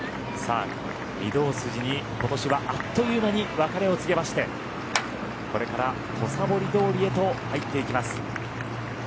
御堂筋に今年はあっという間に別れを告げましてこれから土佐堀通へと入っていきます。